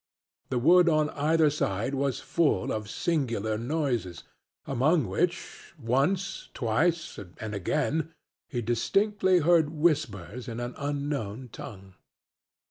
The wood on either side was full of singular noises, among which once, twice, and again he distinctly heard whispers in an unknown tongue.